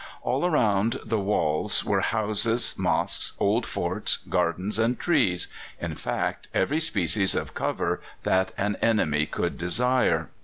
All round the walls were houses, mosques, old forts, gardens, and trees in fact, every species of cover that an enemy could desire.